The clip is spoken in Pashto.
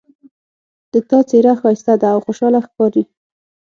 د تا څېره ښایسته ده او خوشحاله ښکاري